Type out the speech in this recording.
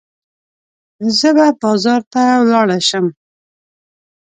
زه به بازار ته ولاړه شم.